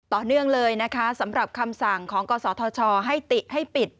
ต่อเนื่องเลยนะคะสำหรับคำสั่งของกศธชให้ติให้ปิด